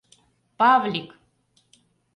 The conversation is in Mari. Павлик!